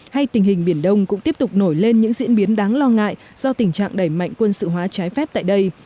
hay tình hình biển đông cũng tiếp tục nổi lên những diễn biến đáng lo ngại do tình trạng đẩy mạnh quân sự hóa trái phép tại đây